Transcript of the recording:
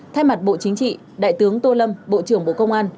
thay mặt bộ chính trị đại tướng tô lâm bộ trưởng bộ công an